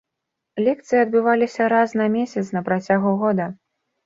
Лекцыі адбываліся раз на месяц на працягу года.